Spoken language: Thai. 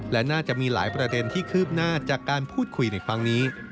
และน่าจะมีหลายประเด็นที่คืบหน้าจากการพูดคุยในครั้งนี้